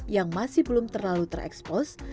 yang masih belum terlalu terekspos